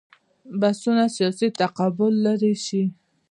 بحثونه سیاسي تقابل لرې شي.